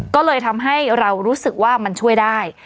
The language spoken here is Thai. ก็เลยทำให้เรารู้สึกว่ามันช่วยได้